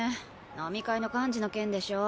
飲み会の幹事の件でしょ？